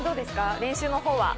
練習のほうは。